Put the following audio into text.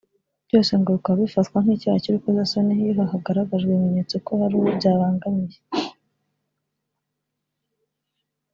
byose ngo bikaba bifatwa nk’icyaha cy’urukozasoni iyo hagaragajwe ibimenyetso ko hari uwo byabangamiye